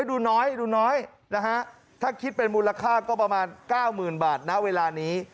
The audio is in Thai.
ดูน้อยดูน้อยนะฮะถ้าคิดเป็นมูลค่าก็ประมาณเก้าหมื่นบาทณเวลานี้